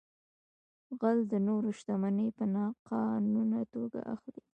غل د نورو شتمنۍ په ناقانونه توګه اخلي